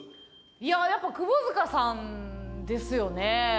いややっぱ窪塚さんですよね。